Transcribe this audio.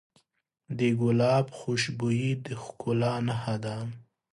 د ګلاب خوشبويي د ښکلا نښه ده.